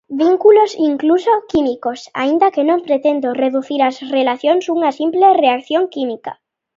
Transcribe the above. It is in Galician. Vínculos incluso químicos, aínda que non pretendo reducir as relacións unha simple reacción química.